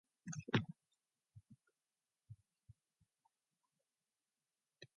He turned out to be bad.